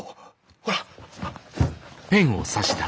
ほら！